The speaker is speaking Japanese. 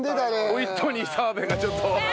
ホイットニー澤部がちょっと。